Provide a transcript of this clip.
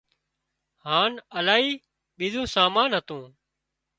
هانَ الاهي ٻيزون سامان هتون